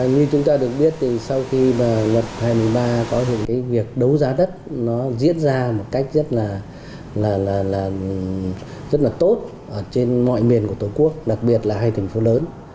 như chúng ta được biết thì sau khi mà luật hai mươi ba có thì cái việc đấu giá đất nó diễn ra một cách rất là tốt trên mọi miền của tổ quốc đặc biệt là hai thành phố lớn